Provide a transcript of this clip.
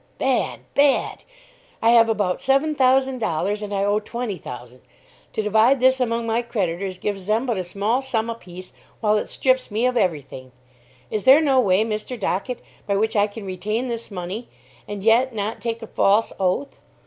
"Bad bad. I have about seven thousand dollars, and I owe twenty thousand. To divide this among my creditors, gives them but a small sum apiece, while it strips me of every thing. Is there no way, Mr. Dockett, by which I can retain this money, and yet not take a false oath?